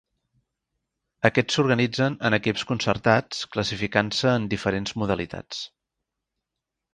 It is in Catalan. Aquests s'organitzen en equips concertats classificant-se en diferents modalitats.